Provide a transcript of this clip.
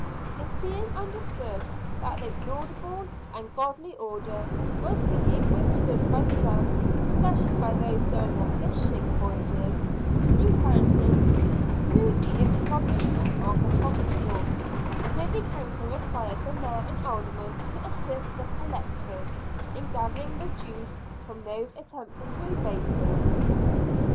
It being understood that this laudable and godly order was being withstood by some, especially by those going on fishing voyages to Newfoundland, to the im poverishment of the hospital, the Privy Council required the Mayor and Aldermen to assist the collectors in gather ing the dues from those attempting to evade them.